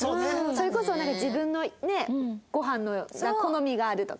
それこそ自分のねごはんの好みがあるとか。